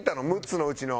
６つのうちの。